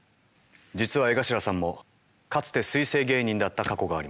実は江頭さんもかつて水生芸人だった過去があります。